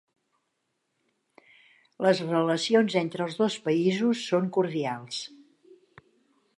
Les relacions entre els dos països són cordials.